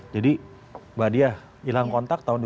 jadi mbak diah hilang kontak tahun dua ribu dua belas